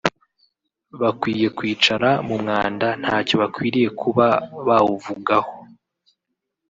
bakwiye kwicara mu mwanda ntacyo bakwiriye kuba bawuvugaho